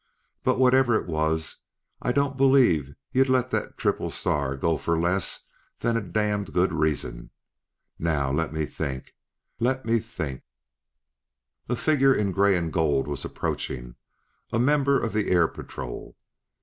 But, whatever it was, I don't believe you let that triple star go for less than a damned good reason. Now, let me think; let me think " A figure in gray and gold was approaching, a member of the Air Patrol.